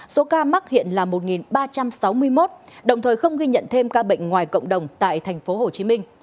số ca mắc hiện là một ba trăm sáu mươi một đồng thời không ghi nhận thêm ca bệnh ngoài cộng đồng tại tp hcm